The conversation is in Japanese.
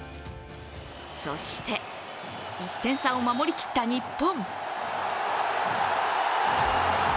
そして、１点差を守りきった日本。